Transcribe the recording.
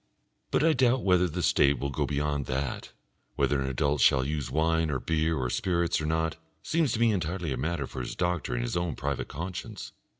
But I doubt whether the State will go beyond that. Whether an adult shall use wine or beer or spirits, or not, seems to me entirely a matter for his doctor and his own private conscience.